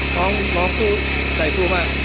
อ๋อน้องสู้ใส่สู้มาก